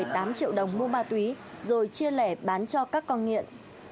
một mươi tám triệu đồng mua ma túy rồi chia lẻ bán cho các con nghiện